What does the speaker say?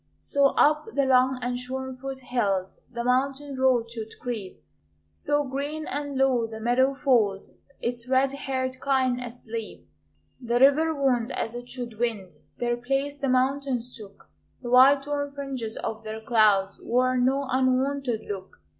So up the long and shorn foot hills The mountain road should creep; So, green and low, the meadow fold Its red haired kine asleep. The river wound as it should wind; Their place the mountains took; The white torn fringes of their clouds Wore no unwonted look.